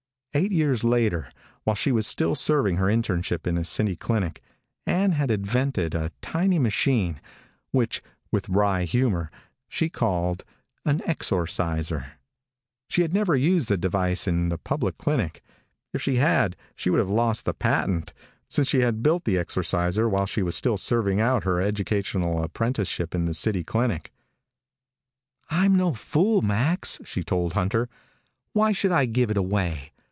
Eight years later, while she was still serving her internship in a city clinic, Ann had invented the tiny machine which, with wry humor, she called an Exorciser. She had never used the device in the public clinic. If she had, she would have lost the patent, since she had built the Exorciser while she was still serving out her educational apprenticeship in the city clinic. "I'm no fool, Max," she told Hunter. "Why should I give it away?